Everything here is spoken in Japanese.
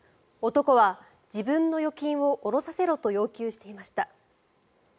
男は、自分の預金を下ろさせろと要求していました。